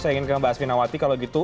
saya ingin ke mbak asmi nawati kalau gitu